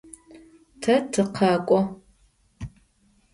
Te tıkhek'o.